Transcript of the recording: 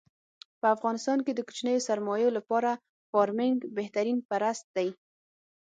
په افغانستان کې د کوچنیو سرمایو لپاره فارمنګ بهترین پرست دی.